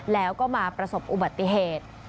แล้วก็มาประสบอุบัติเหตุ